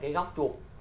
cái góc trục